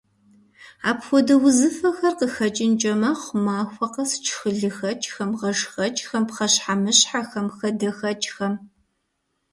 Апхуэдэ узыфэхэр къыхэкӀынкӀэ мэхъу махуэ къэс тшхы лыхэкӀхэм, гъэшхэкӀхэм, пхъэщхьэмыщхьэхэм, хадэхэкӀхэм.